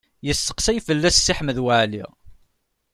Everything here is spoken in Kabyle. Yesteqsay fell-as Si Ḥmed Waɛli.